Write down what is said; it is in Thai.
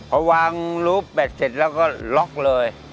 พอวางรูปแบตเสร็จแล้วก็ล็อกเลย